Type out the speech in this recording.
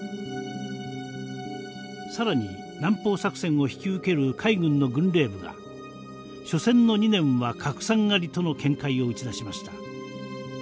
更に南方作戦を引き受ける海軍の軍令部が「緒戦の２年は確算あり」との見解を打ち出しました。